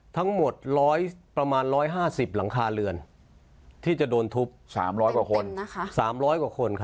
ทั้งหมดประมาณ๑๕๐หลังคาเรือนที่จะโดนทุบ๓๐๐กว่าคน๓๐๐กว่าคน